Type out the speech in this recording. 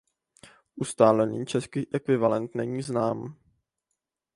Ustálený český ekvivalent není znám.